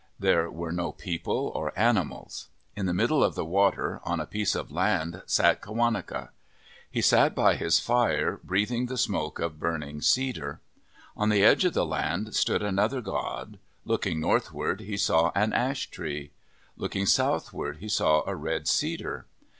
There were no people or animals. In the middle of the water, on a piece of land, sat Qawaneca. He sat by his fire breathing the smoke of burning cedar. On the edge of the land stood another god. Looking northward, he saw an ash tree. Looking southward, he saw a red cedar.